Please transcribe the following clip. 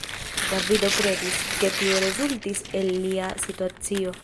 Davido kredis, ke tio rezultis el lia situacio.